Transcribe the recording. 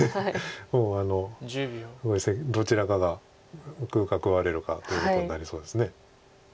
もうどちらかが食うか食われるかっていうことになりそうです。